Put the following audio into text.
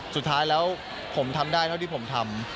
สุดท้ายแล้วผมทำได้เท่าที่ผมทำ